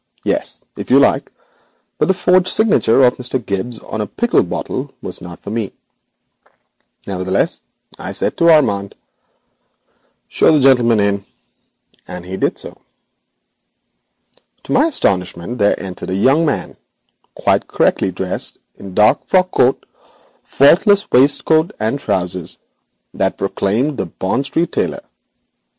yes, if you like, but the forged signature of Mr. Gibbes on a pickle bottle was out of my line. Nevertheless, I said to Armand: 'Show the gentleman in,' and he did so. To my astonishment there entered a young man, quite correctly dressed in the dark frock coat, faultless waistcoat and trousers that proclaimed a Bond Street tailor.